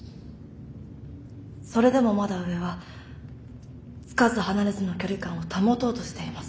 それでもまだ上はつかず離れずの距離感を保とうとしています。